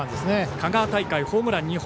香川大会、ホームラン２本。